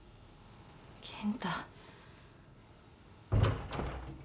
健太。